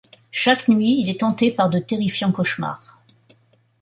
Chaque nuit, il est hanté par de terrifiants cauchemars.